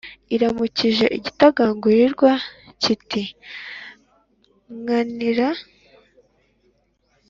iramukije igitagangurirwa kiti «nkanira uruhago nkarusha uwarukaniye ejo